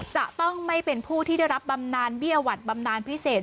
จะต้องไม่เป็นผู้ที่ได้รับบำนานเบี้ยหวัดบำนานพิเศษ